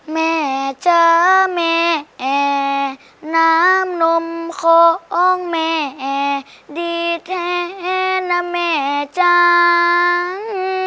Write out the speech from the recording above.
แม่เจอแม่น้ำนมของแม่ดีแทนนะแม่จัง